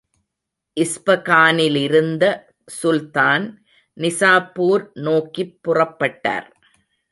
இஸ்பகானிலிருந்த சுல்தான், நிசாப்பூர் நோக்கிப் புறப்பட்டார்.